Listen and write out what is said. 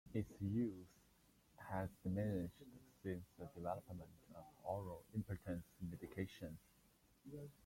Its use has diminished since the development of oral impotence medications.